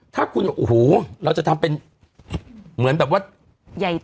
ถ้าคุณโอ้โหเราจะทำเป็นเหมือนแบบว่าใหญ่